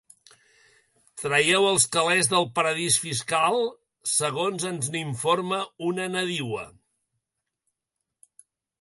Traieu els calés del paradís fiscal, segons ens n'informa una nadiua.